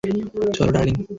চলো, ডার্লিং।